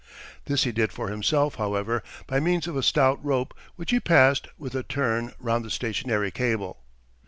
This he did for himself, however, by means of a stout rope, which he passed, with a turn, round the stationary cable.